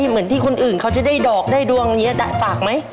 เหมือนที่คนอื่นเขาจะได้ดอกได้ดวงอย่างนี้ฝากไหม